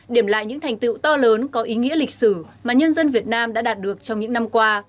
điểm lại những thành tựu to lớn có ý nghĩa lịch sử mà nhân dân việt nam đã đạt được trong những năm qua